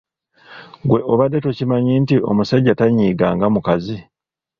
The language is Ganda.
Gwe obadde tokimanyi nti omusajja tanyiiga nga mukazi?